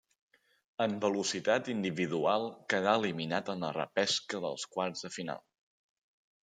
En velocitat individual quedà eliminat en la repesca dels quarts de final.